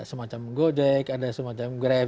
semacam gojek ada semacam grab